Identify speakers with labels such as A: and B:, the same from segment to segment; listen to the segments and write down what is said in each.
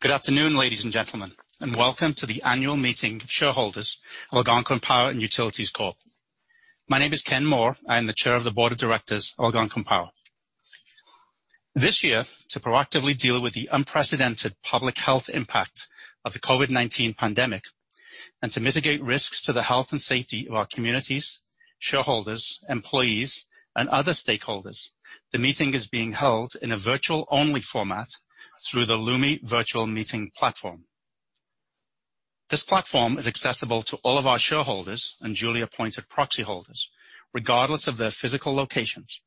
A: Good afternoon, ladies and gentlemen, and Welcome to the annual meeting of shareholders of Algonquin Power & Utilities Corp. My name is Ken Moore. I am the chair of the board of directors, Algonquin Power. This year, to proactively deal with the unprecedented public health impact of the COVID-19 pandemic, and to mitigate risks to the health and safety of our communities, shareholders, employees, and other stakeholders, the meeting is being held in a virtual-only format through the Lumi Virtual Meeting platform. This platform is accessible to all of our shareholders and duly appointed proxy holders, regardless of their physical locations,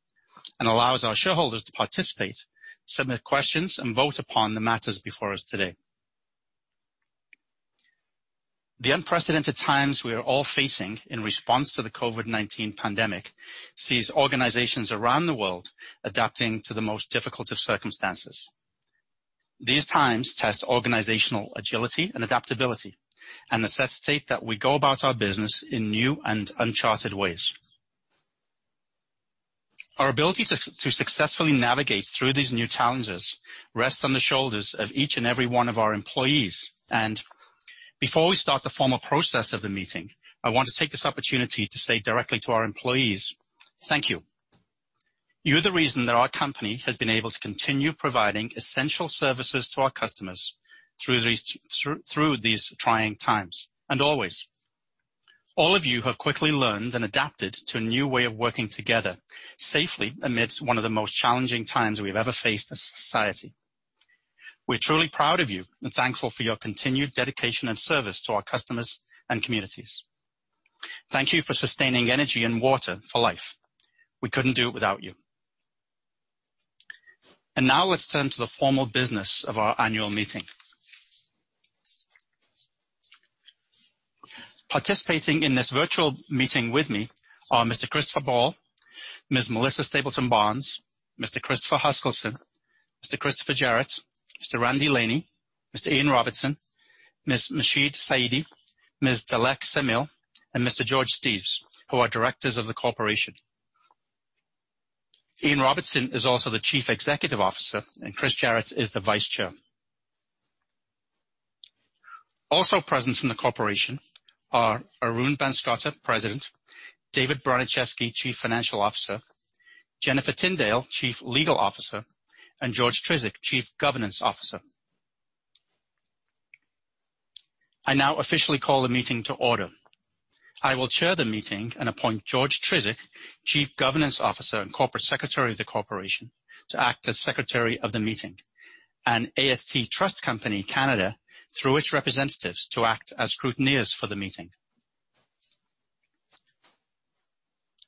A: and allows our shareholders to participate, submit questions, and vote upon the matters before us today. The unprecedented times we are all facing in response to the COVID-19 pandemic sees organizations around the world adapting to the most difficult of circumstances. These times test organizational agility and adaptability and necessitate that we go about our business in new and uncharted ways. Our ability to successfully navigate through these new challenges rests on the shoulders of each and every one of our employees. Before we start the formal process of the meeting, I want to take this opportunity to say directly to our employees, thank you. You're the reason that our company has been able to continue providing essential services to our customers through these trying times, and always. All of you have quickly learned and adapted to a new way of working together safely amidst one of the most challenging times we've ever faced as a society. We're truly proud of you and thankful for your continued dedication and service to our customers and communities. Thank you for sustaining energy and water for life. We couldn't do it without you. Now let's turn to the formal business of our annual meeting. Participating in this virtual meeting with me are Mr. Christopher Ball, Ms. Melissa Stapleton Barnes, Mr. Christopher Huskilson, Mr. Christopher Jarratt, Mr. Randy Laney, Mr. Ian Robertson, Ms. Masheed Saidi, Ms. Dilek Samil, and Mr. George Steeves, who are directors of the corporation. Ian Robertson is also the Chief Executive Officer, and Chris Jarratt is the Vice Chair. Also present from the corporation are Arun Banskota, President, David Bronicheski, Chief Financial Officer, Jennifer Tindale, Chief Legal Officer, and George Trisic, Chief Governance Officer. I now officially call the meeting to order. I will chair the meeting and appoint George Trisic, Chief Governance Officer and Corporate Secretary of the corporation, to act as secretary of the meeting, and AST Trust Company (Canada), through its representatives, to act as scrutineers for the meeting.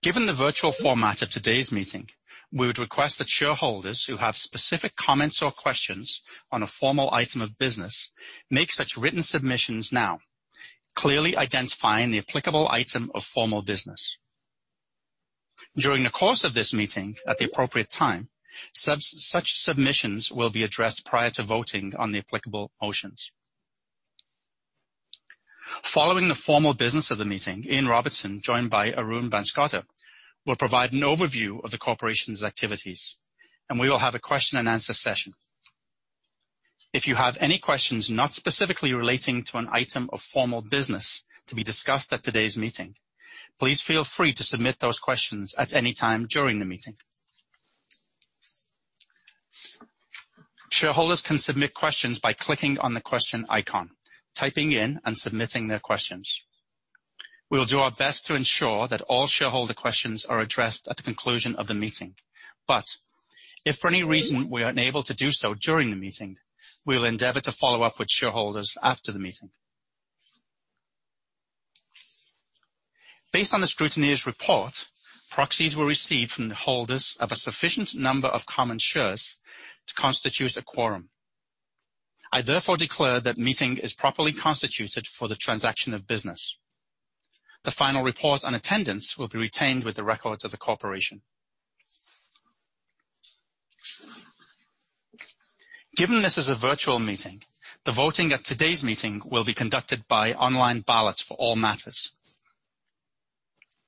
A: Given the virtual format of today's meeting, we would request that shareholders who have specific comments or questions on a formal item of business make such written submissions now, clearly identifying the applicable item of formal business. During the course of this meeting at the appropriate time, such submissions will be addressed prior to voting on the applicable motions. Following the formal business of the meeting, Ian Robertson, joined by Arun Banskota, will provide an overview of the corporation's activities, and we will have a question and answer session. If you have any questions not specifically relating to an item of formal business to be discussed at today's meeting, please feel free to submit those questions at any time during the meeting. Shareholders can submit questions by clicking on the question icon, typing in and submitting their questions. We will do our best to ensure that all shareholder questions are addressed at the conclusion of the meeting. If for any reason we are unable to do so during the meeting, we will endeavor to follow up with shareholders after the meeting. Based on the scrutineer's report, proxies were received from the holders of a sufficient number of common shares to constitute a quorum. I therefore declare that meeting is properly constituted for the transaction of business. The final report on attendance will be retained with the records of the corporation. Given this is a virtual meeting, the voting at today's meeting will be conducted by online ballot for all matters.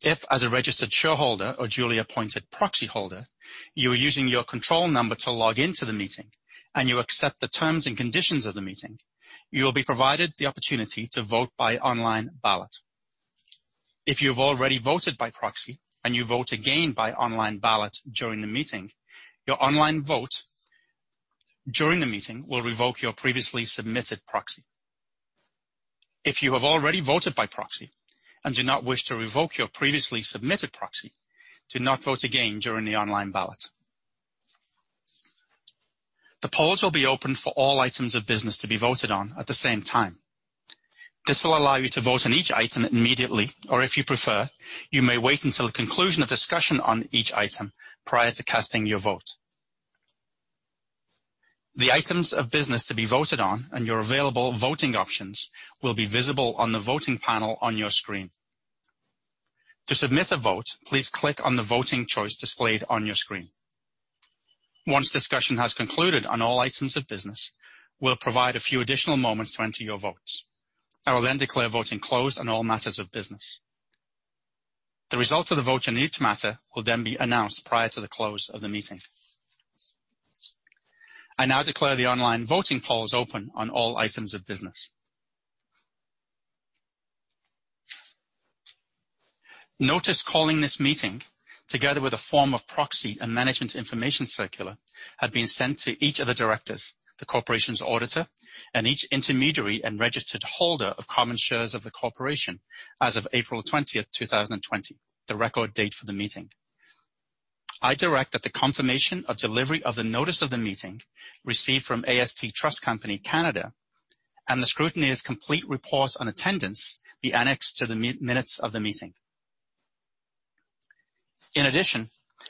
A: If as a registered shareholder or duly appointed proxyholder, you are using your control number to log into the meeting and you accept the terms and conditions of the meeting, you will be provided the opportunity to vote by online ballot. If you have already voted by proxy and you vote again by online ballot during the meeting, your online vote during the meeting will revoke your previously submitted proxy. If you have already voted by proxy and do not wish to revoke your previously submitted proxy, do not vote again during the online ballot. The polls will be open for all items of business to be voted on at the same time. This will allow you to vote on each item immediately, or if you prefer, you may wait until the conclusion of discussion on each item prior to casting your vote. The items of business to be voted on and your available voting options will be visible on the voting panel on your screen. To submit a vote, please click on the voting choice displayed on your screen. Once discussion has concluded on all items of business, we'll provide a few additional moments to enter your votes. I will then declare voting closed on all matters of business. The result of the vote on each matter will then be announced prior to the close of the meeting. I now declare the online voting polls open on all items of business. Notice calling this meeting, together with a form of proxy and Management Information Circular, had been sent to each of the directors, the corporation's auditor, and each intermediary and registered holder of common shares of the corporation as of April 20th, 2020, the record date for the meeting. I direct that the confirmation of delivery of the notice of the meeting received from AST Trust Company (Canada), and the scrutineer's complete report on attendance be annexed to the minutes of the meeting.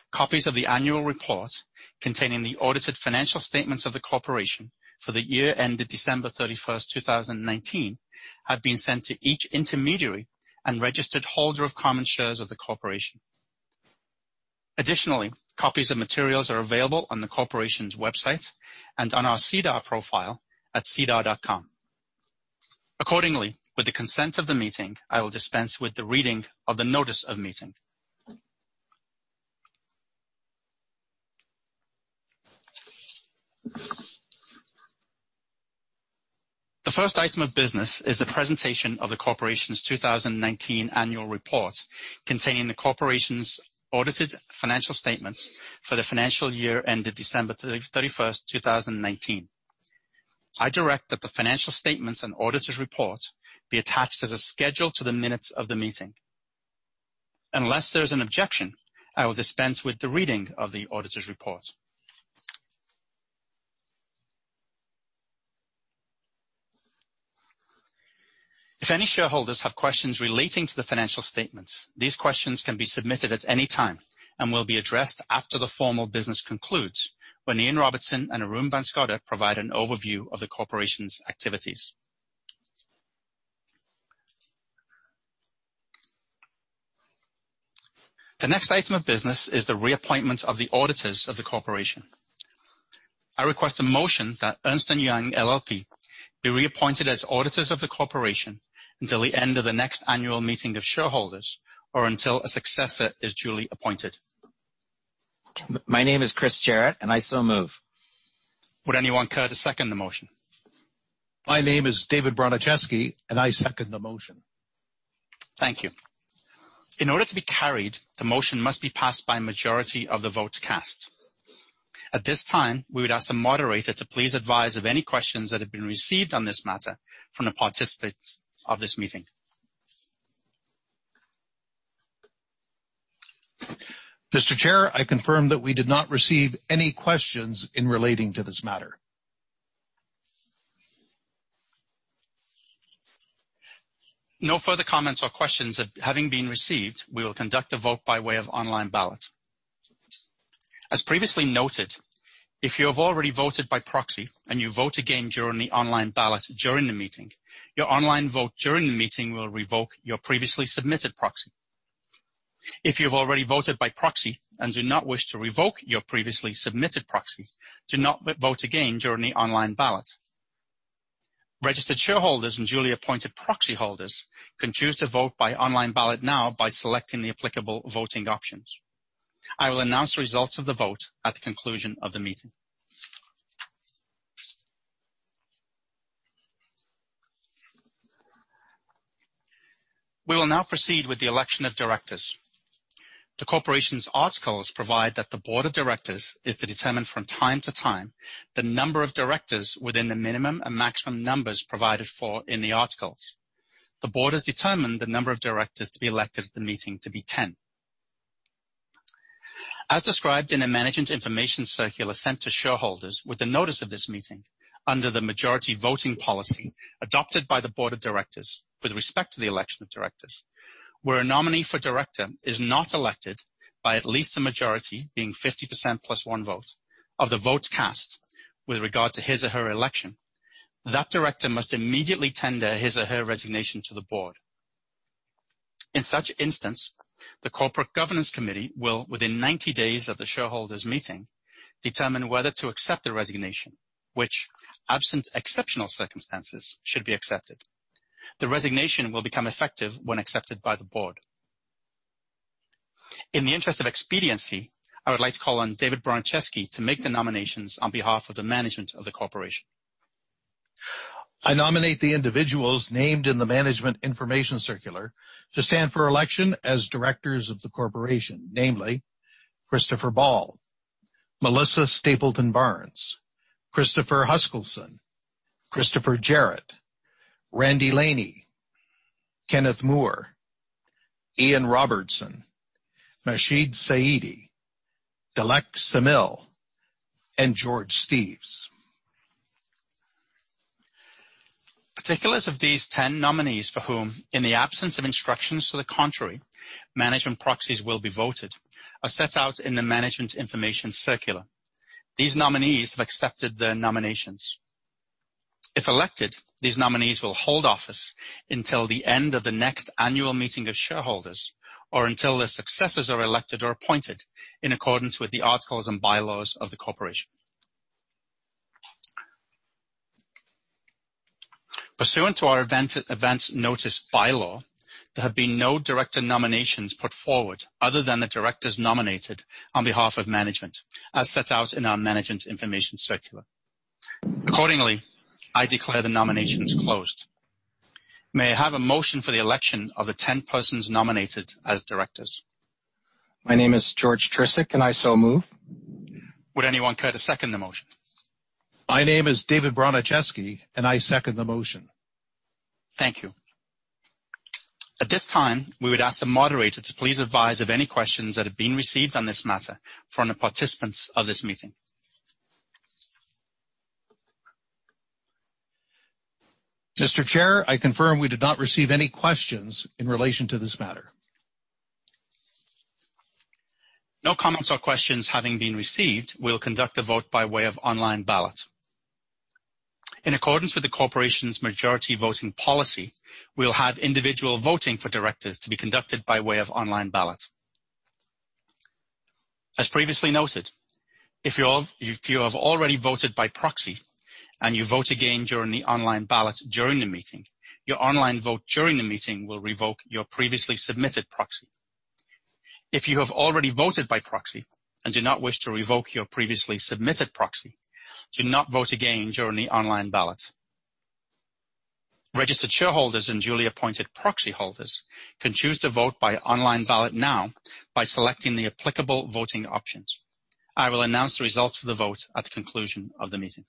A: Copies of the annual report containing the audited financial statements of the corporation for the year ended December 31st, 2019, have been sent to each intermediary and registered holder of common shares of the corporation. Copies of materials are available on the corporation's website and on our SEDAR profile at sedar.com. With the consent of the meeting, I will dispense with the reading of the notice of meeting. The first item of business is the presentation of the corporation's 2019 annual report, containing the corporation's audited financial statements for the financial year ended December 31st, 2019. I direct that the financial statements and auditor's report be attached as a schedule to the minutes of the meeting. Unless there's an objection, I will dispense with the reading of the auditor's report. If any shareholders have questions relating to the financial statements, these questions can be submitted at any time and will be addressed after the formal business concludes when Ian Robertson and Arun Banskota provide an overview of the corporation's activities. The next item of business is the reappointment of the auditors of the corporation. I request a motion that Ernst & Young LLP be reappointed as auditors of the corporation until the end of the next annual meeting of shareholders or until a successor is duly appointed.
B: My name is Chris Jarratt, and I so move.
A: Would anyone care to second the motion?
C: My name is David Bronicheski, I second the motion.
A: Thank you. In order to be carried, the motion must be passed by a majority of the votes cast. At this time, we would ask the moderator to please advise of any questions that have been received on this matter from the participants of this meeting.
D: Mr. Chair, I confirm that we did not receive any questions in relating to this matter.
A: No further comments or questions having been received, we will conduct a vote by way of online ballot. As previously noted, if you have already voted by proxy and you vote again during the online ballot during the meeting, your online vote during the meeting will revoke your previously submitted proxy. If you've already voted by proxy and do not wish to revoke your previously submitted proxy, do not vote again during the online ballot. Registered shareholders and duly appointed proxy holders can choose to vote by online ballot now by selecting the applicable voting options. I will announce the results of the vote at the conclusion of the meeting. We will now proceed with the election of directors. The corporation's articles provide that the board of directors is to determine from time to time the number of directors within the minimum and maximum numbers provided for in the articles. The board has determined the number of directors to be elected at the meeting to be 10. As described in a Management Information Circular sent to shareholders with the notice of this meeting under the majority voting policy adopted by the board of directors with respect to the election of directors, where a nominee for director is not elected by at least a majority, being 50% plus one vote of the votes cast with regard to his or her election, that director must immediately tender his or her resignation to the board. In such instance, the Corporate Governance Committee will, within 90 days of the shareholders meeting, determine whether to accept the resignation, which, absent exceptional circumstances, should be accepted. The resignation will become effective when accepted by the board. In the interest of expediency, I would like to call on David Bronicheski to make the nominations on behalf of the management of the corporation.
C: I nominate the individuals named in the Management Information Circular to stand for election as directors of the corporation, namely, Christopher Ball, Melissa Stapleton Barnes, Christopher Huskilson, Christopher Jarratt, Randy Laney, Kenneth Moore, Ian Robertson, Masheed Saidi, Dilek Samil, and George Steeves.
A: Particulars of these 10 nominees for whom, in the absence of instructions to the contrary, management proxies will be voted, are set out in the Management Information Circular. These nominees have accepted the nominations. If elected, these nominees will hold office until the end of the next annual meeting of shareholders or until their successors are elected or appointed in accordance with the articles and bylaws of the corporation. Pursuant to our advance notice bylaw, there have been no director nominations put forward other than the directors nominated on behalf of management, as set out in our Management Information Circular. Accordingly, I declare the nominations closed. May I have a motion for the election of the 10 persons nominated as directors?
D: My name is George Trisic, and I so move.
A: Would anyone care to second the motion?
C: My name is David Bronicheski, and I second the motion.
A: Thank you. At this time, we would ask the moderator to please advise of any questions that have been received on this matter from the participants of this meeting.
D: Mr. Chair, I confirm we did not receive any questions in relation to this matter.
A: No comments or questions having been received, we will conduct a vote by way of online ballot. In accordance with the corporation's majority voting policy, we will have individual voting for directors to be conducted by way of online ballot. As previously noted, if you have already voted by proxy and you vote again during the online ballot during the meeting, your online vote during the meeting will revoke your previously submitted proxy. If you have already voted by proxy and do not wish to revoke your previously submitted proxy, do not vote again during the online ballot. Registered shareholders and duly appointed proxy holders can choose to vote by online ballot now by selecting the applicable voting options. I will announce the results of the vote at the conclusion of the meeting.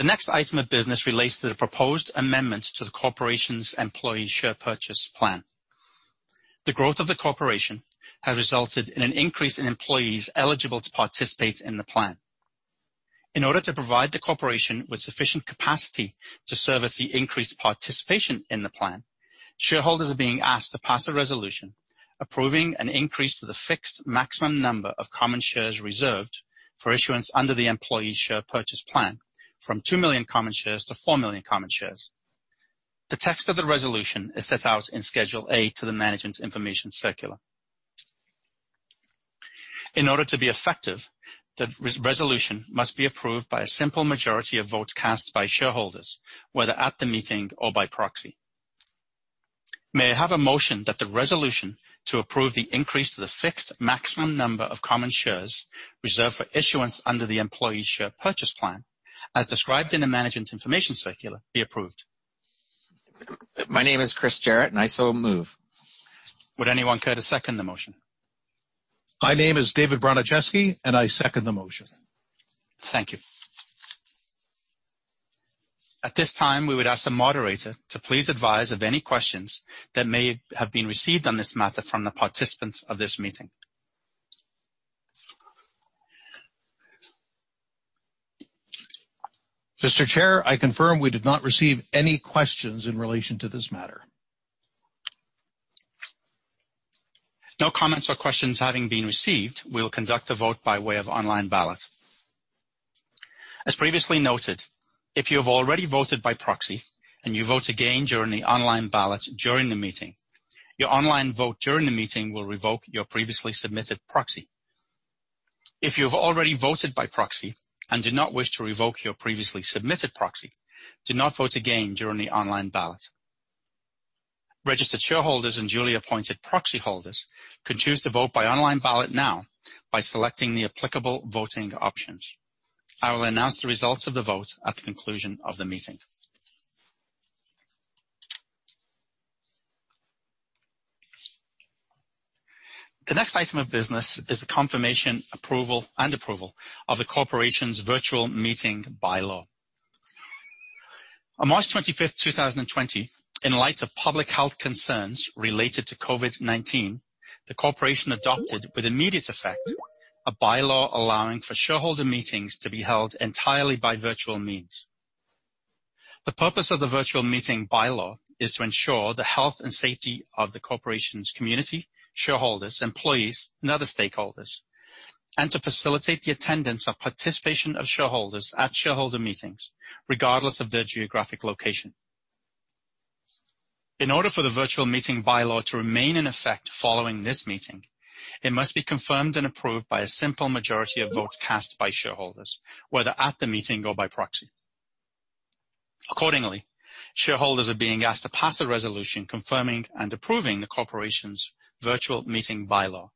A: The next item of business relates to the proposed amendment to the corporation's employee share purchase plan. The growth of the corporation has resulted in an increase in employees eligible to participate in the plan. In order to provide the corporation with sufficient capacity to service the increased participation in the plan, shareholders are being asked to pass a resolution approving an increase to the fixed maximum number of common shares reserved for issuance under the employee share purchase plan from 2 million common shares to 4 million common shares. The text of the resolution is set out in Schedule A to the Management Information Circular. In order to be effective, the resolution must be approved by a simple majority of votes cast by shareholders, whether at the meeting or by proxy. May I have a motion that the resolution to approve the increase to the fixed maximum number of common shares reserved for issuance under the employee share purchase plan, as described in the Management Information Circular, be approved.
B: My name is Chris Jarratt, and I so move. Would anyone care to second the motion?
C: My name is David Bronicheski, and I second the motion.
A: Thank you. At this time, we would ask the moderator to please advise of any questions that may have been received on this matter from the participants of this meeting.
D: Mr. Chair, I confirm we did not receive any questions in relation to this matter.
A: No comments or questions having been received, we will conduct a vote by way of online ballot. As previously noted, if you have already voted by proxy and you vote again during the online ballot during the meeting, your online vote during the meeting will revoke your previously submitted proxy. If you have already voted by proxy and do not wish to revoke your previously submitted proxy, do not vote again during the online ballot. Registered shareholders and duly appointed proxy holders can choose to vote by online ballot now by selecting the applicable voting options. I will announce the results of the vote at the conclusion of the meeting. The next item of business is the confirmation and approval of the corporation's virtual meeting bylaw. On March 25th, 2020, in light of public health concerns related to COVID-19, the corporation adopted, with immediate effect, a bylaw allowing for shareholder meetings to be held entirely by virtual means. The purpose of the virtual meeting bylaw is to ensure the health and safety of the corporation's community, shareholders, employees, and other stakeholders, and to facilitate the attendance or participation of shareholders at shareholder meetings, regardless of their geographic location. In order for the virtual meeting bylaw to remain in effect following this meeting, it must be confirmed and approved by a simple majority of votes cast by shareholders, whether at the meeting or by proxy. Accordingly, shareholders are being asked to pass a resolution confirming and approving the corporation's virtual meeting bylaw.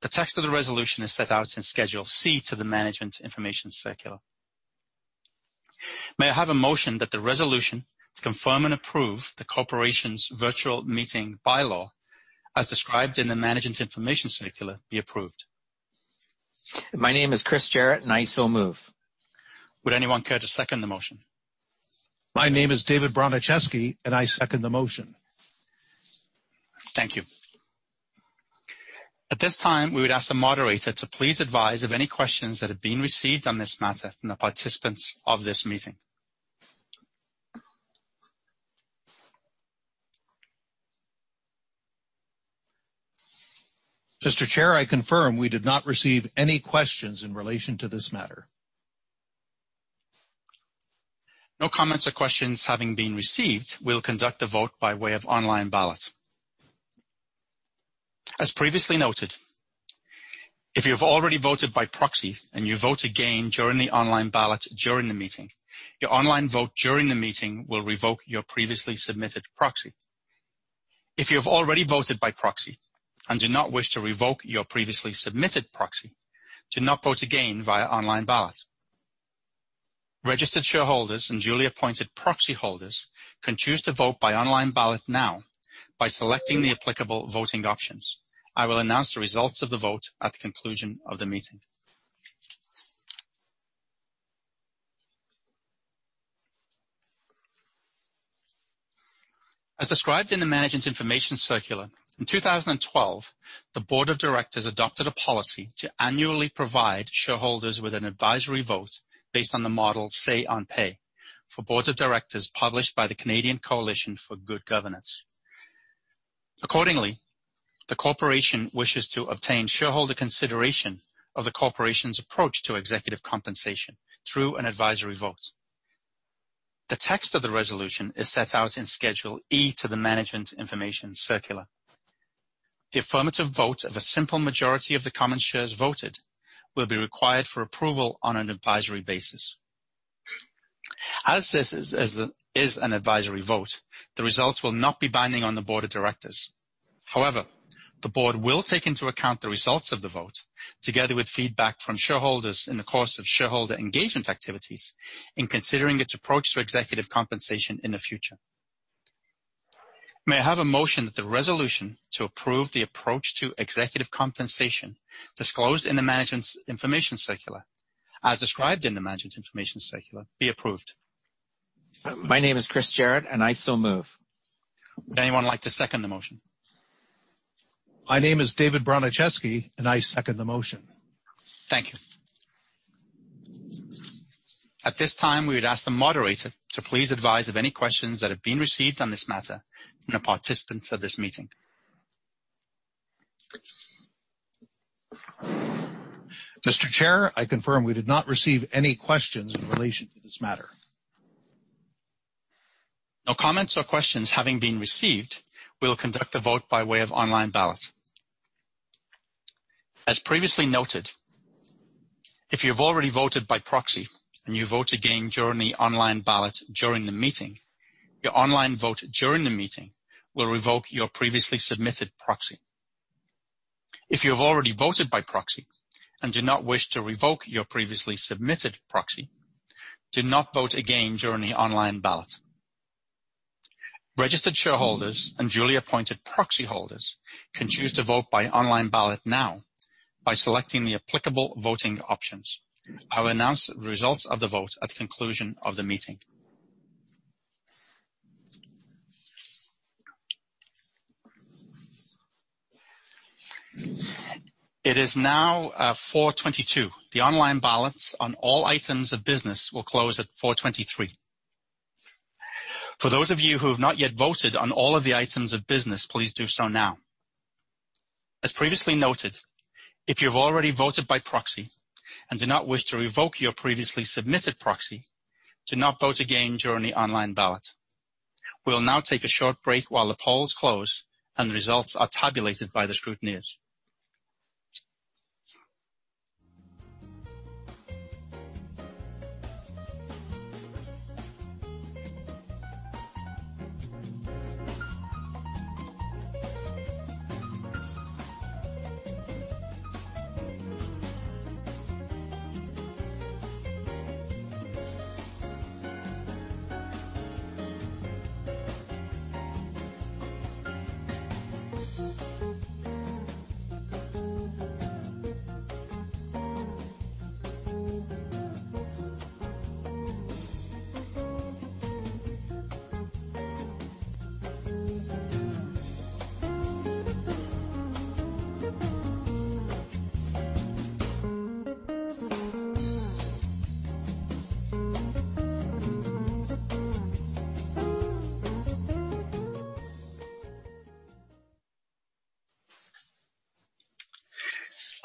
A: The text of the resolution is set out in Schedule C to the Management Information Circular. May I have a motion that the resolution to confirm and approve the corporation's virtual meeting bylaw, as described in the Management Information Circular, be approved.
B: My name is Chris Jarratt, and I so move.
A: Would anyone care to second the motion?
C: My name is David Bronicheski, and I second the motion.
A: Thank you. At this time, we would ask the moderator to please advise of any questions that have been received on this matter from the participants of this meeting.
D: Mr. Chair, I confirm we did not receive any questions in relation to this matter.
A: No comments or questions having been received, we'll conduct a vote by way of online ballot. As previously noted, if you've already voted by proxy and you vote again during the online ballot during the meeting, your online vote during the meeting will revoke your previously submitted proxy. If you have already voted by proxy and do not wish to revoke your previously submitted proxy, do not vote again via online ballot. Registered shareholders and duly appointed proxy holders can choose to vote by online ballot now by selecting the applicable voting options. I will announce the results of the vote at the conclusion of the meeting. As described in the Management's Information Circular, in 2012, the board of directors adopted a policy to annually provide shareholders with an advisory vote based on the model Say on Pay for boards of directors published by the Canadian Coalition for Good Governance. Accordingly, the corporation wishes to obtain shareholder consideration of the corporation's approach to executive compensation through an advisory vote. The text of the resolution is set out in Schedule E to the Management Information Circular. The affirmative vote of a simple majority of the common shares voted will be required for approval on an advisory basis. As this is an advisory vote, the results will not be binding on the board of directors. However, the board will take into account the results of the vote, together with feedback from shareholders in the course of shareholder engagement activities in considering its approach to executive compensation in the future. May I have a motion that the resolution to approve the approach to executive compensation disclosed in the Management Information Circular, as described in the Management Information Circular, be approved.
B: My name is Chris Jarratt, and I so move.
A: Would anyone like to second the motion?
C: My name is David Bronicheski, and I second the motion.
A: Thank you. At this time, we would ask the moderator to please advise of any questions that have been received on this matter from the participants of this meeting.
D: Mr. Chair, I confirm we did not receive any questions in relation to this matter.
A: No comments or questions having been received, we will conduct a vote by way of online ballot. As previously noted, if you've already voted by proxy and you vote again during the online ballot during the meeting, your online vote during the meeting will revoke your previously submitted proxy. If you have already voted by proxy and do not wish to revoke your previously submitted proxy, do not vote again during the online ballot. Registered shareholders and duly appointed proxy holders can choose to vote by online ballot now by selecting the applicable voting options. I will announce the results of the vote at the conclusion of the meeting. It is now 4:22 P.M. The online ballots on all items of business will close at 4:23 P.M. For those of you who have not yet voted on all of the items of business, please do so now. As previously noted, if you've already voted by proxy and do not wish to revoke your previously submitted proxy, do not vote again during the online ballot. We will now take a short break while the polls close and the results are tabulated by the scrutineers.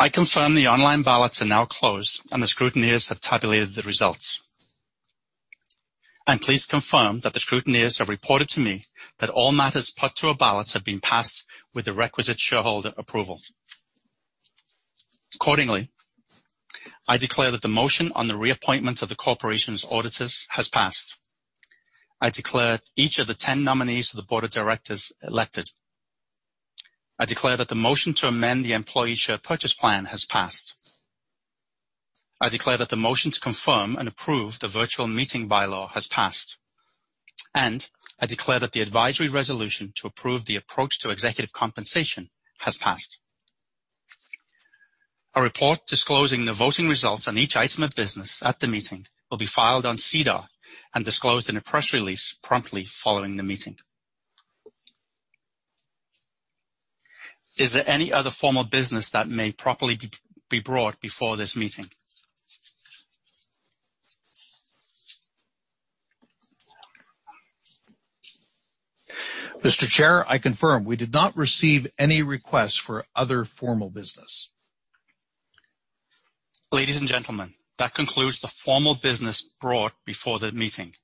A: I confirm the online ballots are now closed, and the scrutineers have tabulated the results. I'm pleased to confirm that the scrutineers have reported to me that all matters put to a ballot have been passed with the requisite shareholder approval. Accordingly, I declare that the motion on the reappointment of the corporation's auditors has passed. I declare each of the 10 nominees for the board of directors elected. I declare that the motion to amend the employee share purchase plan has passed. I declare that the motion to confirm and approve the virtual meeting bylaw has passed, and I declare that the advisory resolution to approve the approach to executive compensation has passed. A report disclosing the voting results on each item of business at the meeting will be filed on SEDAR and disclosed in a press release promptly following the meeting. Is there any other formal business that may properly be brought before this meeting?
D: Mr. Chair, I confirm we did not receive any requests for other formal business.
A: Ladies and gentlemen, that concludes the formal business brought before the meeting.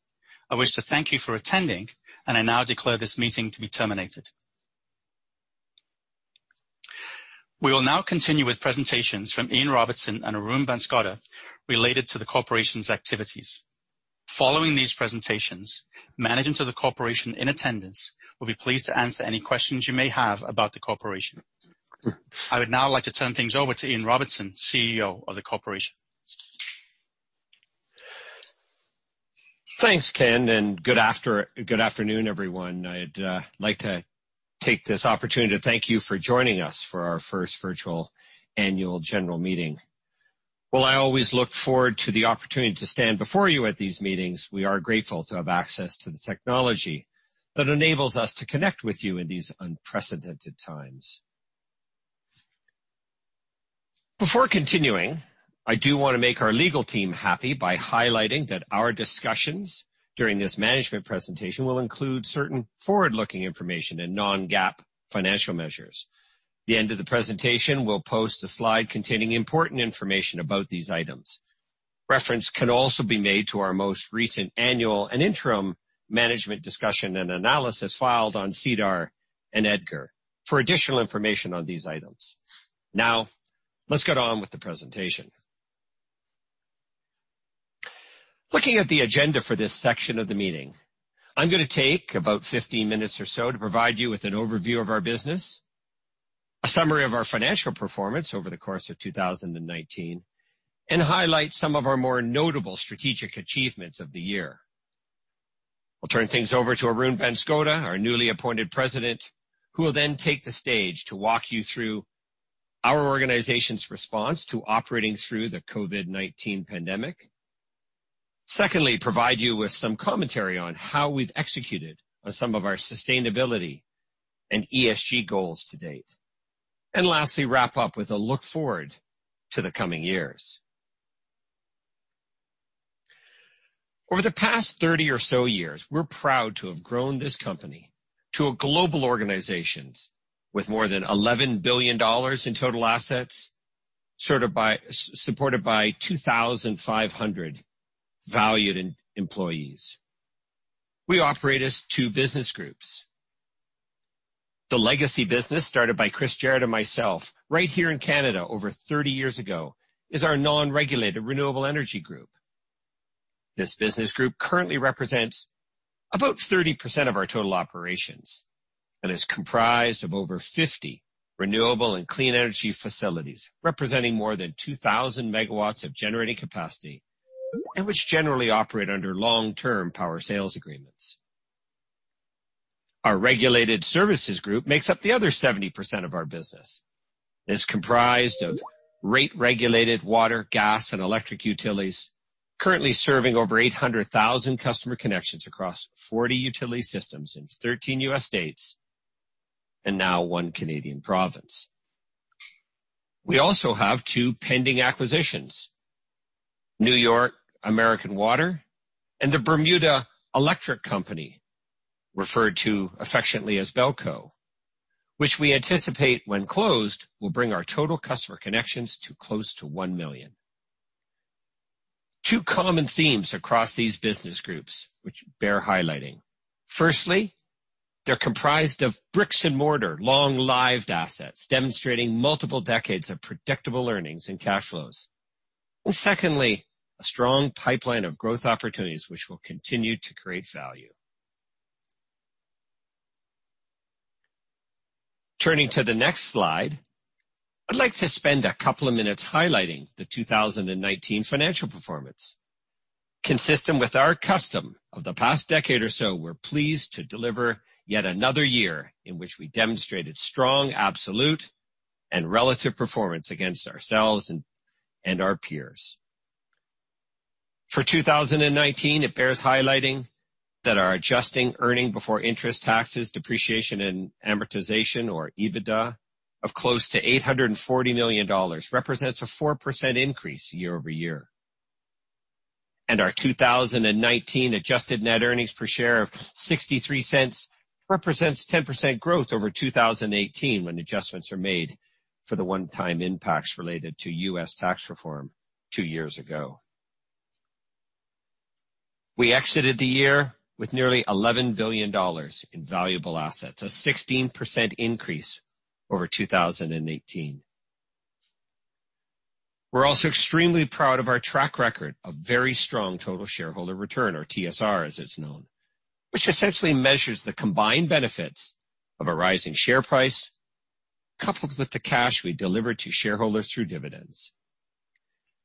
A: I wish to thank you for attending, and I now declare this meeting to be terminated. We will now continue with presentations from Ian Robertson and Arun Banskota related to the corporation's activities. Following these presentations, management of the corporation in attendance will be pleased to answer any questions you may have about the corporation. I would now like to turn things over to Ian Robertson, CEO of the corporation.
E: Thanks, Ken. Good afternoon, everyone. I'd like to take this opportunity to thank you for joining us for our first virtual annual general meeting. While I always look forward to the opportunity to stand before you at these meetings, we are grateful to have access to the technology that enables us to connect with you in these unprecedented times. Before continuing, I do want to make our legal team happy by highlighting that our discussions during this management presentation will include certain forward-looking information and non-GAAP financial measures. The end of the presentation will post a slide containing important information about these items. Reference can also be made to our most recent annual and interim management discussion and analysis filed on SEDAR and EDGAR for additional information on these items. Let's get on with the presentation. Looking at the agenda for this section of the meeting, I'm going to take about 15 minutes or so to provide you with an overview of our business, a summary of our financial performance over the course of 2019, and highlight some of our more notable strategic achievements of the year. I'll turn things over to Arun Banskota, our newly appointed President, who will then take the stage to walk you through our organization's response to operating through the COVID-19 pandemic. Secondly, provide you with some commentary on how we've executed on some of our sustainability and ESG goals to date. Lastly, wrap up with a look forward to the coming years. Over the past 30 or so years, we're proud to have grown this company to a global organization with more than $11 billion in total assets, supported by 2,500 valued employees. We operate as two business groups. The legacy business started by Chris Jarratt and myself right here in Canada over 30 years ago is our non-regulated renewable energy group. This business group currently represents about 30% of our total operations and is comprised of over 50 renewable and clean energy facilities, representing more than 2,000 MW of generating capacity, and which generally operate under long-term power sales agreements. Our regulated services group makes up the other 70% of our business. It is comprised of rate-regulated water, gas, and electric utilities, currently serving over 800,000 customer connections across 40 utility systems in 13 U.S. states, and now one Canadian province. We also have two pending acquisitions, New York American Water and the Bermuda Electric Company, referred to affectionately as BELCO, which we anticipate, when closed, will bring our total customer connections to close to 1 million. Two common themes across these business groups which bear highlighting. Firstly, they're comprised of bricks and mortar, long-lived assets demonstrating multiple decades of predictable earnings and cash flows. Secondly, a strong pipeline of growth opportunities which will continue to create value. Turning to the next slide, I'd like to spend a couple of minutes highlighting the 2019 financial performance. Consistent with our custom of the past decade or so, we're pleased to deliver yet another year in which we demonstrated strong, absolute, and relative performance against ourselves and our peers. For 2019, it bears highlighting that our adjusted earnings before interest, taxes, depreciation, and amortization, or EBITDA, of close to $840 million represents a 4% increase year-over-year. Our 2019 adjusted net earnings per share of $0.63 represents 10% growth over 2018 when adjustments are made for the one-time impacts related to U.S. tax reform two years ago. We exited the year with nearly $11 billion in valuable assets, a 16% increase over 2018. We're also extremely proud of our track record of very strong total shareholder return or TSR, as it's known, which essentially measures the combined benefits of a rising share price coupled with the cash we deliver to shareholders through dividends.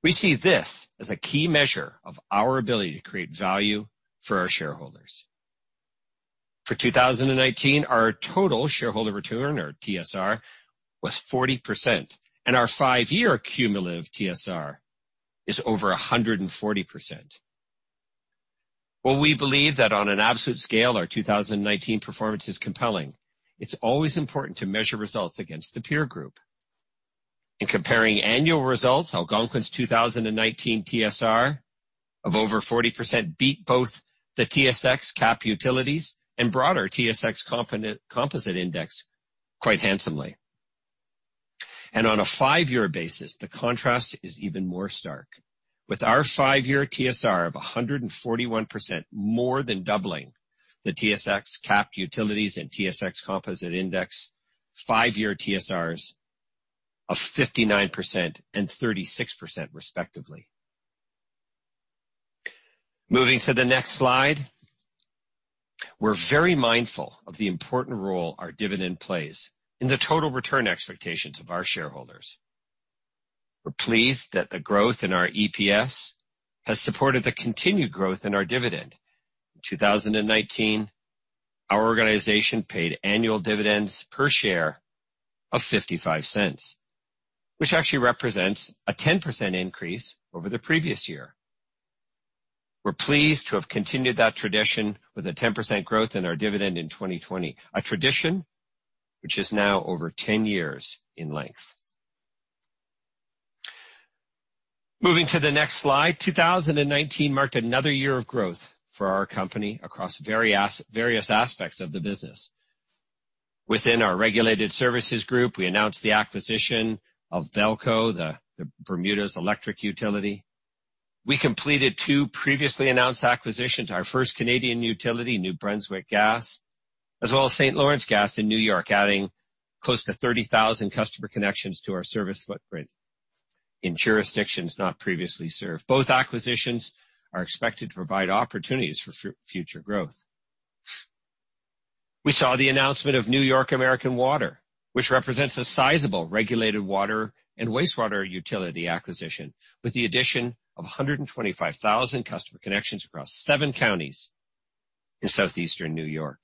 E: We see this as a key measure of our ability to create value for our shareholders. For 2019, our total shareholder return or TSR was 40%, and our five-year cumulative TSR is over 140%. While we believe that on an absolute scale, our 2019 performance is compelling, it's always important to measure results against the peer group. In comparing annual results, Algonquin's 2019 TSR of over 40% beat both the TSX Capped Utilities and broader TSX Composite Index quite handsomely. On a five-year basis, the contrast is even more stark. With our five-year TSR of 141%, more than doubling the TSX Capped Utilities and TSX Composite Index, five-year TSRs of 59% and 36% respectively. Moving to the next slide. We're very mindful of the important role our dividend plays in the total return expectations of our shareholders. We're pleased that the growth in our EPS has supported the continued growth in our dividend. In 2019, our organization paid annual dividends per share of $0.55, which actually represents a 10% increase over the previous year. We're pleased to have continued that tradition with a 10% growth in our dividend in 2020, a tradition which is now over 10 years in length. Moving to the next slide. 2019 marked another year of growth for our company across various aspects of the business. Within our regulated services group, we announced the acquisition of BELCO, Bermuda's electric utility. We completed two previously announced acquisitions, our first Canadian utility, New Brunswick Gas, as well as St. Lawrence Gas in New York, adding close to 30,000 customer connections to our service footprint in jurisdictions not previously served. Both acquisitions are expected to provide opportunities for future growth. We saw the announcement of New York American Water, which represents a sizable regulated water and wastewater utility acquisition with the addition of 125,000 customer connections across seven counties in southeastern New York.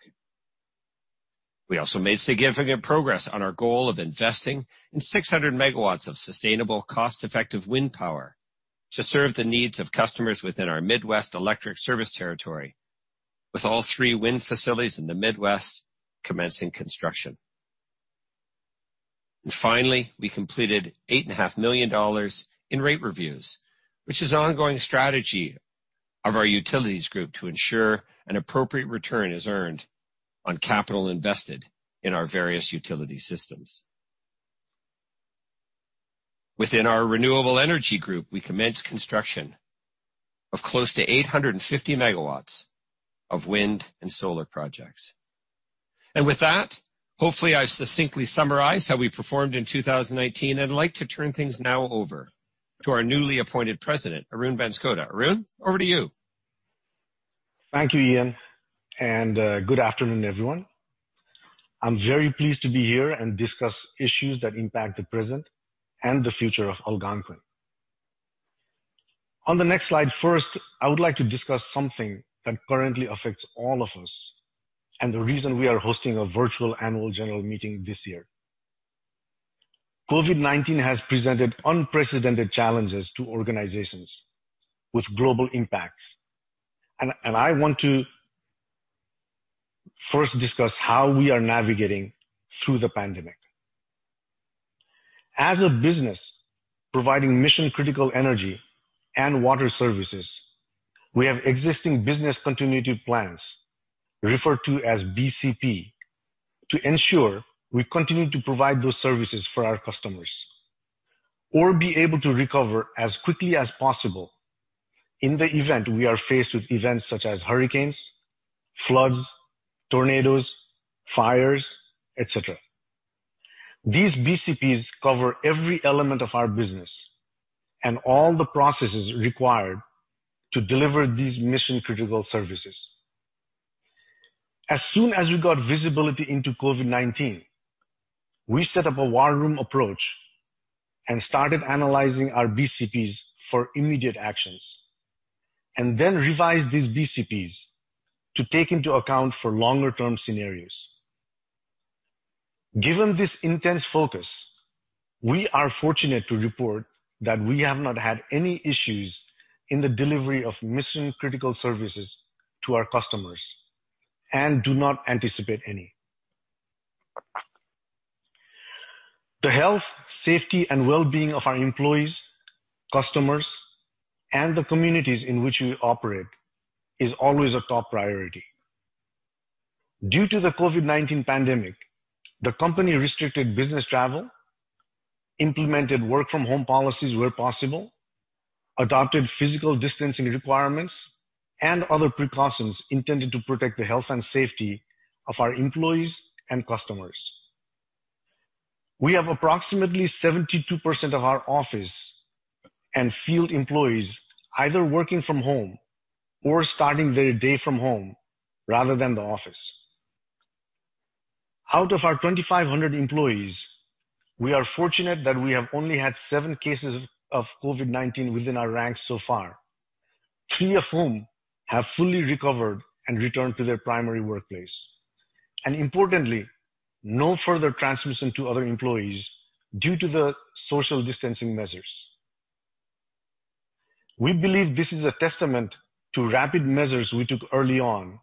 E: We also made significant progress on our goal of investing in 600 MW of sustainable, cost-effective wind power to serve the needs of customers within our Midwest electric service territory, with all three wind facilities in the Midwest commencing construction. Finally, we completed $8.5 million in rate reviews, which is an ongoing strategy of our utilities group to ensure an appropriate return is earned on capital invested in our various utility systems. Within our renewable energy group, we commenced construction of close to 850 MW of wind and solar projects. With that, hopefully I've succinctly summarized how we performed in 2019. I'd like to turn things now over to our newly appointed President, Arun Banskota. Arun, over to you.
F: Thank you, Ian, and good afternoon, everyone. I'm very pleased to be here and discuss issues that impact the present and the future of Algonquin. On the next slide, first, I would like to discuss something that currently affects all of us and the reason we are hosting a virtual annual general meeting this year. COVID-19 has presented unprecedented challenges to organizations with global impacts. I want to first discuss how we are navigating through the pandemic. As a business providing mission-critical energy and water services, we have existing business continuity plans, referred to as BCP, to ensure we continue to provide those services for our customers or be able to recover as quickly as possible in the event we are faced with events such as hurricanes, floods, tornadoes, fires, et cetera. These BCPs cover every element of our business and all the processes required to deliver these mission-critical services. As soon as we got visibility into COVID-19, we set up a war room approach and started analyzing our BCPs for immediate actions, and then revised these BCPs to take into account for longer-term scenarios. Given this intense focus, we are fortunate to report that we have not had any issues in the delivery of mission-critical services to our customers and do not anticipate any. The health, safety, and well-being of our employees, customers, and the communities in which we operate is always a top priority. Due to the COVID-19 pandemic, the company restricted business travel, implemented work-from-home policies where possible, adopted physical distancing requirements, and other precautions intended to protect the health and safety of our employees and customers. We have approximately 72% of our office and field employees either working from home or starting their day from home rather than the office. Out of our 2,500 employees, we are fortunate that we have only had seven cases of COVID-19 within our ranks so far, three of whom have fully recovered and returned to their primary workplace. Importantly, no further transmission to other employees due to the social distancing measures. We believe this is a testament to rapid measures we took early on,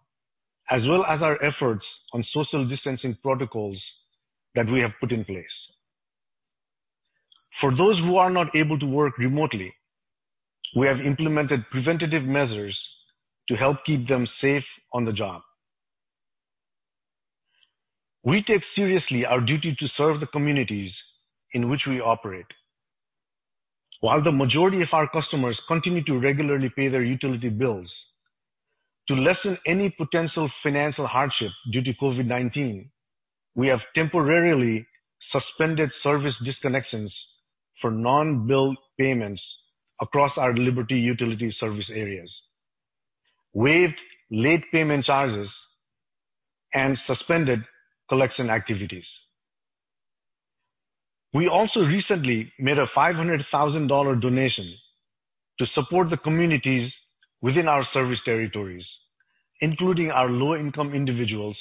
F: as well as our efforts on social distancing protocols that we have put in place. For those who are not able to work remotely, we have implemented preventative measures to help keep them safe on the job. We take seriously our duty to serve the communities in which we operate. While the majority of our customers continue to regularly pay their utility bills, to lessen any potential financial hardship due to COVID-19, we have temporarily suspended service disconnections for non-billed payments across our Liberty Utilities service areas, waived late payment charges, and suspended collection activities. We also recently made a $500,000 donation to support the communities within our service territories, including our low-income individuals,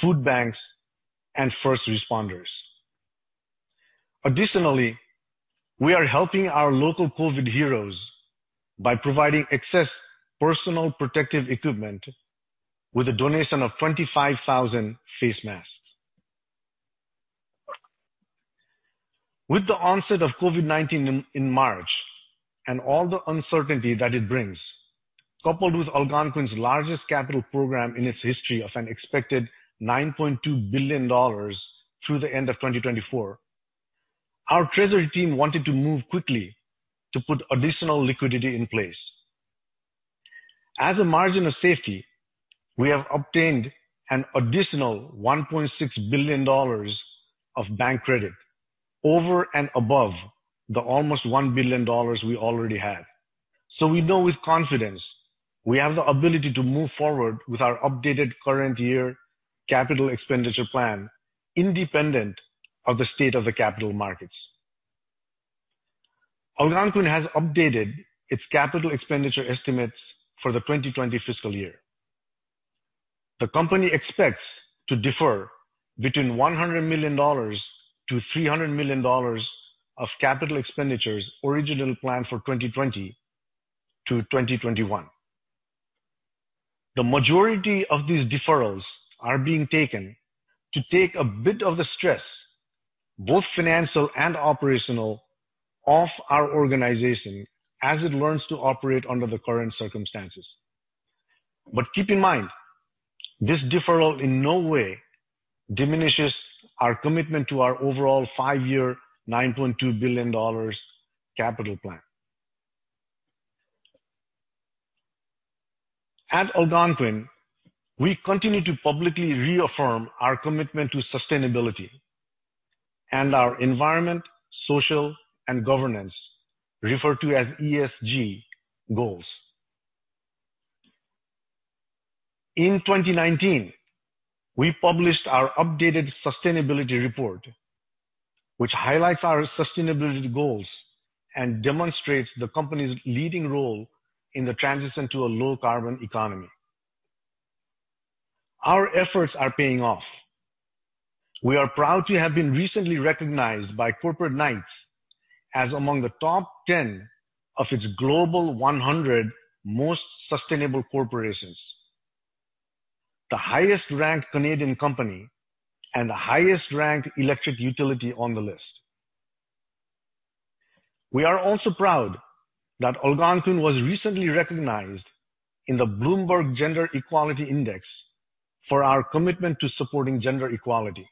F: food banks, and first responders. Additionally, we are helping our local COVID heroes by providing excess personal protective equipment with a donation of 25,000 face masks. With the onset of COVID-19 in March, and all the uncertainty that it brings, coupled with Algonquin's largest capital program in its history of an expected $9.2 billion through the end of 2024, our treasury team wanted to move quickly to put additional liquidity in place. As a margin of safety, we have obtained an additional $1.6 billion of bank credit over and above the almost $1 billion we already have. We know with confidence we have the ability to move forward with our updated current year capital expenditure plan independent of the state of the capital markets. Algonquin has updated its capital expenditure estimates for the 2020 fiscal year. The company expects to defer between $100 million-$300 million of capital expenditures originally planned for 2020-2021. The majority of these deferrals are being taken to take a bit of the stress, both financial and operational, off our organization as it learns to operate under the current circumstances. Keep in mind, this deferral in no way diminishes our commitment to our overall five-year $9.2 billion capital plan. At Algonquin, we continue to publicly reaffirm our commitment to sustainability and our environment, social, and governance, referred to as ESG goals. In 2019, we published our updated sustainability report, which highlights our sustainability goals and demonstrates the company's leading role in the transition to a low-carbon economy. Our efforts are paying off. We are proud to have been recently recognized by Corporate Knights as among the top 10 of its global 100 most sustainable corporations, the highest-ranked Canadian company, and the highest-ranked electric utility on the list. We are also proud that Algonquin was recently recognized in the Bloomberg Gender-Equality Index for our commitment to supporting gender equality.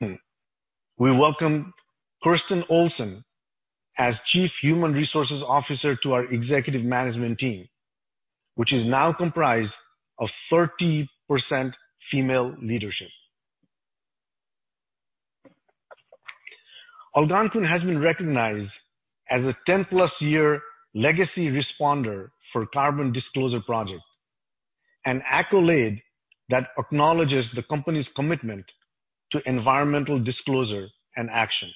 F: We welcome Kirsten Olsen as Chief Human Resources Officer to our executive management team, which is now comprised of 30% female leadership. Algonquin has been recognized as a 10-plus-year legacy responder for Carbon Disclosure Project, an accolade that acknowledges the company's commitment to environmental disclosure and action.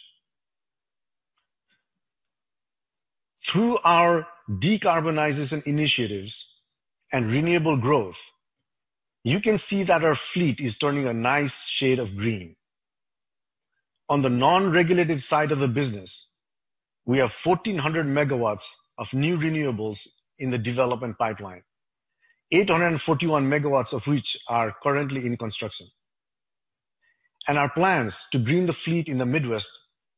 F: Through our decarbonization initiatives and renewable growth, you can see that our fleet is turning a nice shade of green. On the non-regulated side of the business, we have 1,400 MW of new renewables in the development pipeline. 841 MW of which are currently in construction. Our plans to green the fleet in the Midwest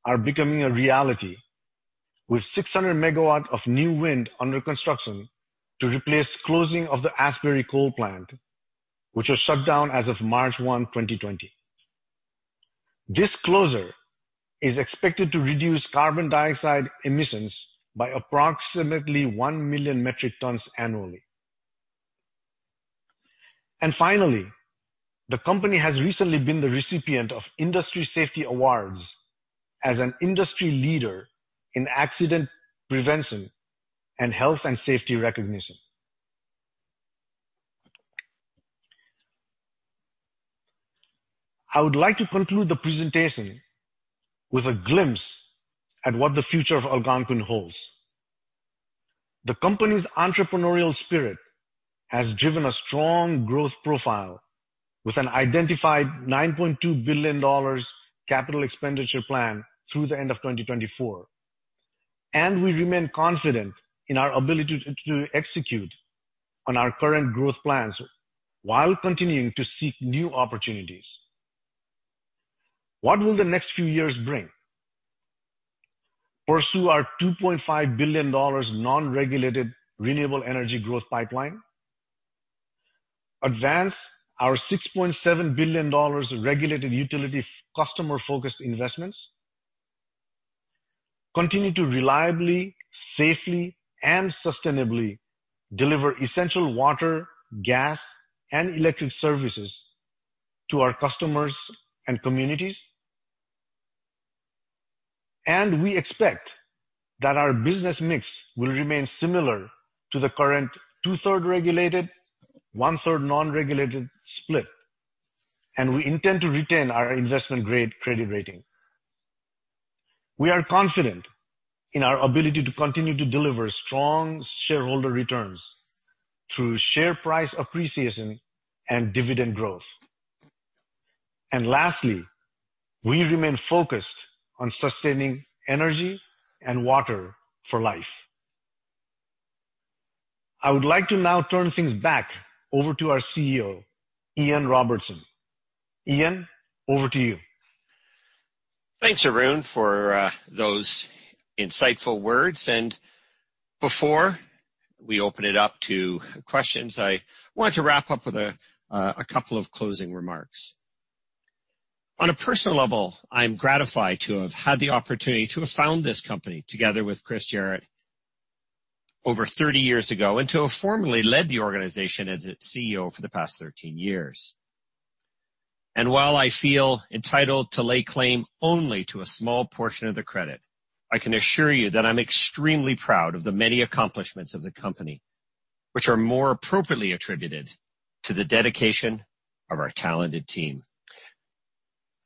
F: are becoming a reality with 600 MW of new wind under construction to replace closing of the Asbury coal plant, which was shut down as of March 1, 2020. This closure is expected to reduce carbon dioxide emissions by approximately 1 million metric tons annually. Finally, the company has recently been the recipient of industry safety awards as an industry leader in accident prevention and health and safety recognition. I would like to conclude the presentation with a glimpse at what the future of Algonquin holds. The company's entrepreneurial spirit has driven a strong growth profile with an identified $9.2 billion capital expenditure plan through the end of 2024. We remain confident in our ability to execute on our current growth plans while continuing to seek new opportunities. What will the next few years bring? Pursue our $2.5 billion non-regulated renewable energy growth pipeline, advance our $6.7 billion regulated utility customer-focused investments, continue to reliably, safely, and sustainably deliver essential water, gas, and electric services to our customers and communities. We expect that our business mix will remain similar to the current two-third regulated, one-third non-regulated split, and we intend to retain our investment-grade credit rating. We are confident in our ability to continue to deliver strong shareholder returns through share price appreciation and dividend growth. Lastly, we remain focused on sustaining energy and water for life. I would like to now turn things back over to our CEO, Ian Robertson. Ian, over to you.
E: Thanks, Arun, for those insightful words. Before we open it up to questions, I want to wrap up with a couple of closing remarks. On a personal level, I'm gratified to have had the opportunity to have found this company together with Chris Jarratt over 30 years ago, and to have formally led the organization as its CEO for the past 13 years. While I feel entitled to lay claim only to a small portion of the credit, I can assure you that I'm extremely proud of the many accomplishments of the company, which are more appropriately attributed to the dedication of our talented team.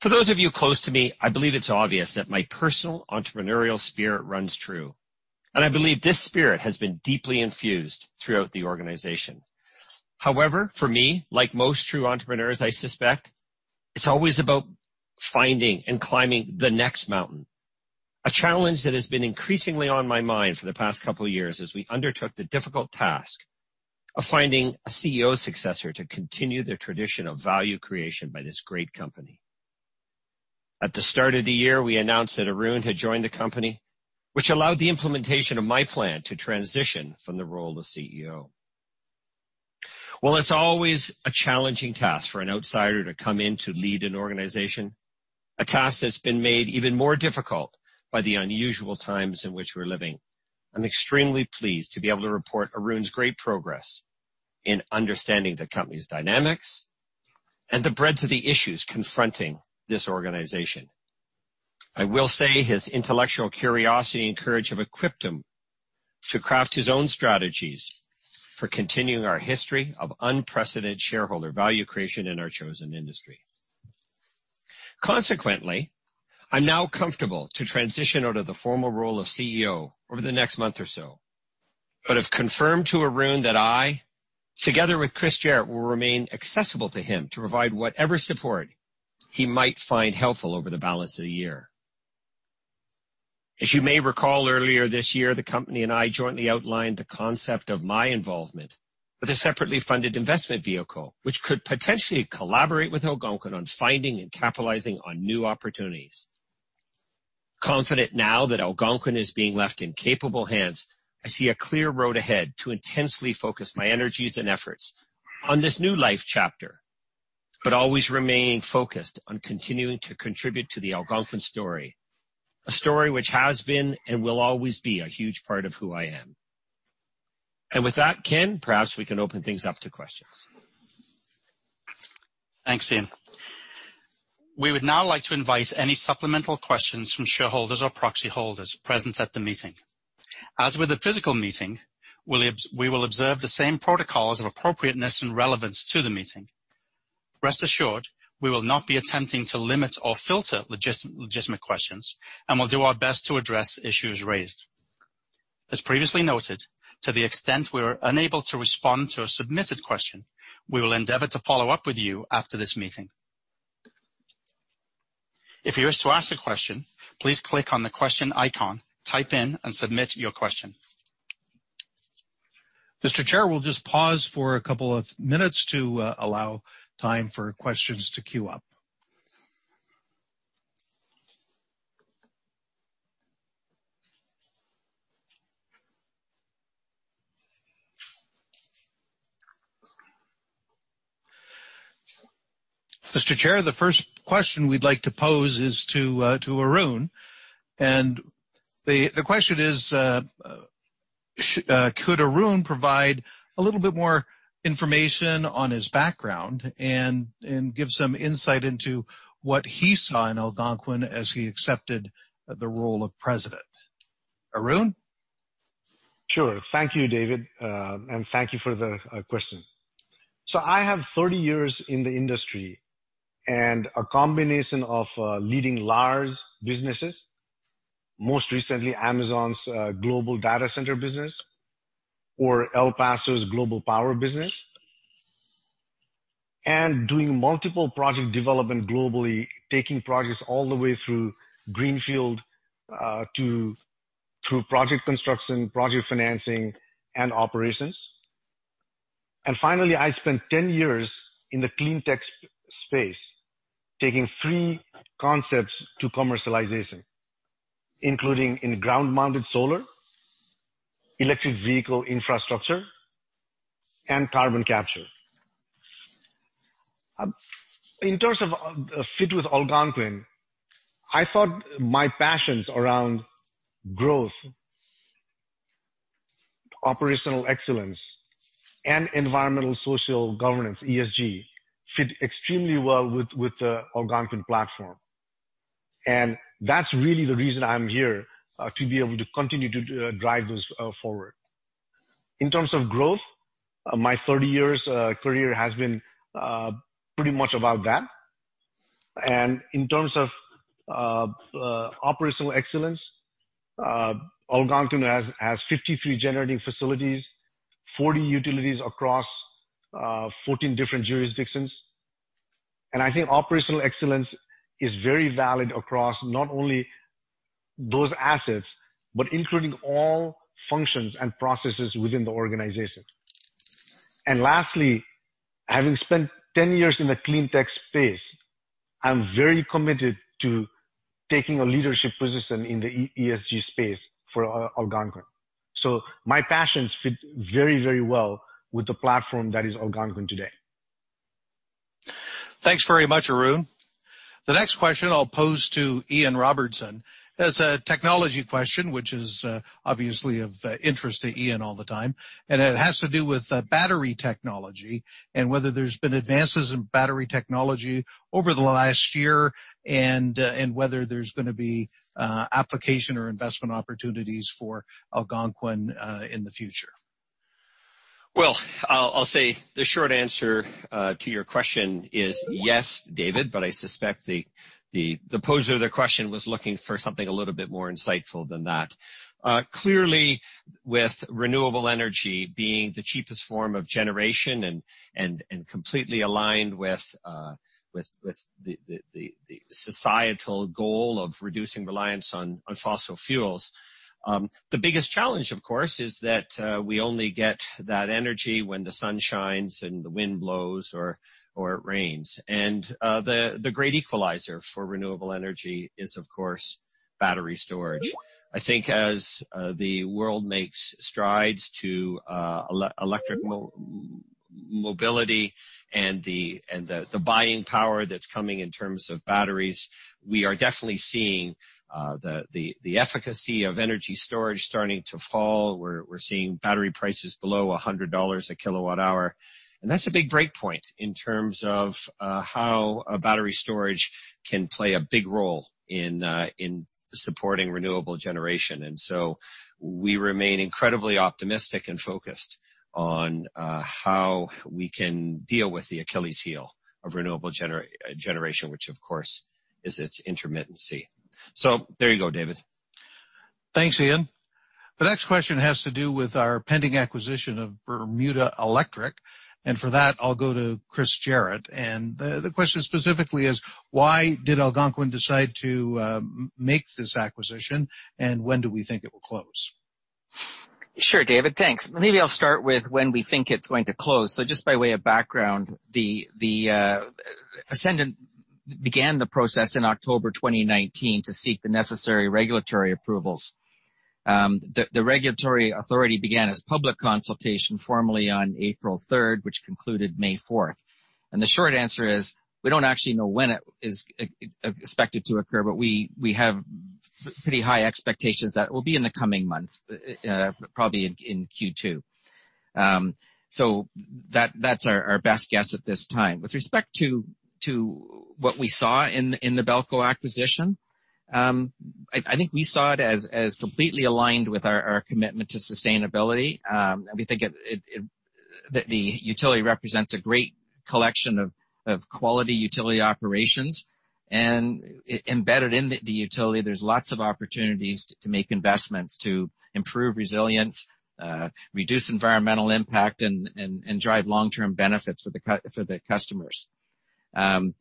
E: For those of you close to me, I believe it's obvious that my personal entrepreneurial spirit runs true, and I believe this spirit has been deeply infused throughout the organization. However, for me, like most true entrepreneurs, I suspect, it's always about finding and climbing the next mountain. A challenge that has been increasingly on my mind for the past couple of years as we undertook the difficult task of finding a CEO successor to continue the tradition of value creation by this great company. At the start of the year, we announced that Arun had joined the company, which allowed the implementation of my plan to transition from the role of CEO. While it's always a challenging task for an outsider to come in to lead an organization, a task that's been made even more difficult by the unusual times in which we're living. I'm extremely pleased to be able to report Arun's great progress in understanding the company's dynamics and the breadth of the issues confronting this organization. I will say his intellectual curiosity and courage have equipped him to craft his own strategies for continuing our history of unprecedented shareholder value creation in our chosen industry. Consequently, I'm now comfortable to transition out of the formal role of CEO over the next month or so. Have confirmed to Arun that I, together with Chris Jarratt, will remain accessible to him to provide whatever support he might find helpful over the balance of the year. As you may recall, earlier this year, the company and I jointly outlined the concept of my involvement with a separately funded investment vehicle, which could potentially collaborate with Algonquin on finding and capitalizing on new opportunities. Confident now that Algonquin is being left in capable hands, I see a clear road ahead to intensely focus my energies and efforts on this new life chapter, but always remaining focused on continuing to contribute to the Algonquin story. A story which has been and will always be a huge part of who I am. With that, Ken, perhaps we can open things up to questions.
A: Thanks, Ian. We would now like to invite any supplemental questions from shareholders or proxy holders present at the meeting. As with the physical meeting, we will observe the same protocols of appropriateness and relevance to the meeting. Rest assured, we will not be attempting to limit or filter legitimate questions, and we'll do our best to address issues raised. As previously noted, to the extent we are unable to respond to a submitted question, we will endeavor to follow up with you after this meeting. If you wish to ask a question, please click on the question icon, type in and submit your question.
C: Mr. Chair, we'll just pause for a couple of minutes to allow time for questions to queue up. Mr. Chair, the first question we'd like to pose is to Arun. The question is, could Arun provide a little bit more information on his background and give some insight into what he saw in Algonquin as he accepted the role of President? Arun?
F: Sure. Thank you, David. Thank you for the question. I have 30 years in the industry and a combination of leading large businesses, most recently Amazon's Global Data Center business or El Paso's Global Power business, and doing multiple project development globally, taking projects all the way through greenfield to project construction, project financing and operations. Finally, I spent 10 years in the clean tech space, taking three concepts to commercialization, including in ground-mounted solar, electric vehicle infrastructure, and carbon capture. In terms of fit with Algonquin, I thought my passions around growth, operational excellence, and environmental social governance, ESG, fit extremely well with the Algonquin platform. That's really the reason I'm here, to be able to continue to drive those forward. In terms of growth, my 30 years career has been pretty much about that. In terms of operational excellence, Algonquin has 53 generating facilities, 40 utilities across 14 different jurisdictions. I think operational excellence is very valid across not only those assets, but including all functions and processes within the organization. Lastly, having spent 10 years in the clean tech space, I'm very committed to taking a leadership position in the ESG space for Algonquin. My passions fit very well with the platform that is Algonquin today.
C: Thanks very much, Arun. The next question I'll pose to Ian Robertson. It's a technology question, which is obviously of interest to Ian all the time, and it has to do with battery technology and whether there's been advances in battery technology over the last year and whether there's going to be application or investment opportunities for Algonquin in the future.
E: Well, I'll say the short answer to your question is yes, David, but I suspect the poser of the question was looking for something a little bit more insightful than that. Clearly, with renewable energy being the cheapest form of generation and completely aligned with the societal goal of reducing reliance on fossil fuels, the biggest challenge, of course, is that we only get that energy when the sun shines and the wind blows or it rains. The great equalizer for renewable energy is, of course, battery storage. I think as the world makes strides to electric mobility and the buying power that's coming in terms of batteries, we are definitely seeing the efficacy of energy storage starting to fall. We're seeing battery prices below $100/kWh. That's a big breakpoint in terms of how battery storage can play a big role in supporting renewable generation. We remain incredibly optimistic and focused on how we can deal with the Achilles heel of renewable generation, which, of course, is its intermittency. There you go, David.
C: Thanks, Ian. The next question has to do with our pending acquisition of Bermuda Electric, for that, I'll go to Chris Jarratt. The question specifically is: Why did Algonquin decide to make this acquisition, and when do we think it will close?
B: Sure, David, thanks. Maybe I'll start with when we think it's going to close. Just by way of background, Ascendant began the process in October 2019 to seek the necessary regulatory approvals. The regulatory authority began as public consultation formally on April 3rd, which concluded May 4th. The short answer is, we don't actually know when it is expected to occur, but we have pretty high expectations that it will be in the coming months, probably in Q2. That's our best guess at this time. With respect to what we saw in the BELCO acquisition, I think we saw it as completely aligned with our commitment to sustainability. We think that the utility represents a great collection of quality utility operations. Embedded in the utility, there's lots of opportunities to make investments to improve resilience, reduce environmental impact, and drive long-term benefits for the customers. The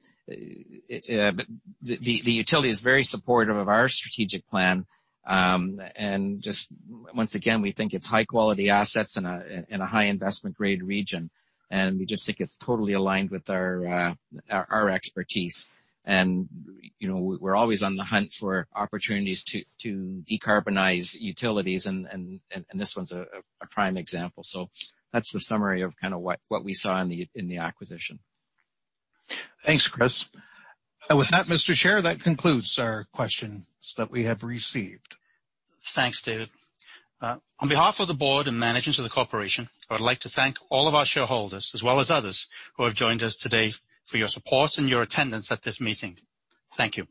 B: utility is very supportive of our strategic plan. Once again, we think it's high-quality assets in a high investment-grade region. We just think it's totally aligned with our expertise. We're always on the hunt for opportunities to decarbonize utilities, and this one's a prime example. That's the summary of kind of what we saw in the acquisition.
C: Thanks, Chris. With that, Mr. Chair, that concludes our questions that we have received.
A: Thanks, David. On behalf of the board and management of the corporation, I would like to thank all of our shareholders as well as others who have joined us today for your support and your attendance at this meeting. Thank you.